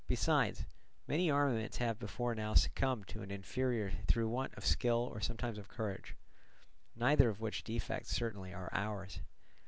Besides, many armaments have before now succumbed to an inferior through want of skill or sometimes of courage; neither of which defects certainly are ours.